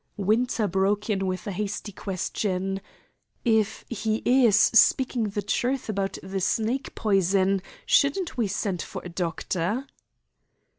Winter broke in with a hasty question: "If he is speaking the truth about the snake poison, shouldn't we send for a doctor?"